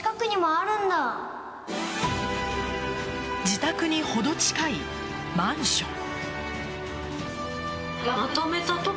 自宅にほど近いマンション。